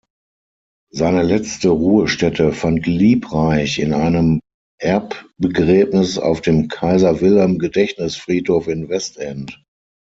Seine letzte Ruhestätte fand Liebreich in einem Erbbegräbnis auf dem Kaiser-Wilhelm-Gedächtnis-Friedhof in Westend.